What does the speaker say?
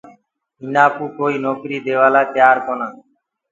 اُنآ ڪو ڪوئيٚ نوڪريٚ ديوآ لآ ڪونآ۔